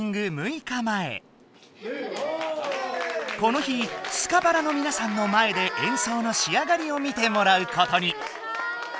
この日スカパラのみなさんの前で演奏のしあがりを見てもらうことに。